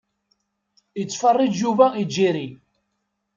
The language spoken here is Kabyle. Ittfeṛṛiǧ Yuba & Jerry.